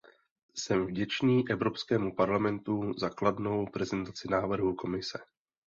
Jsem vděčný Evropskému parlamentu za kladnou prezentaci návrhu Komise.